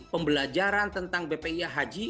pembelajaran tentang bpih haji